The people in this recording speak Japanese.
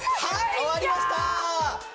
終わりました。